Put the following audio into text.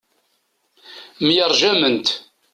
Myerjament.